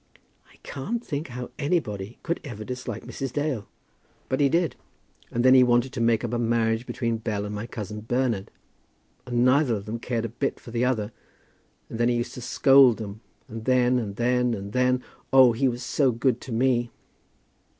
"I can't think how anybody could ever dislike Mrs. Dale." "But he did. And then he wanted to make up a marriage between Bell and my cousin Bernard. But neither of them cared a bit for the other, and then he used to scold them, and then, and then, and then Oh, he was so good to me!